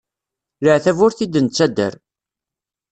Leɛtab ur t-id-nettader.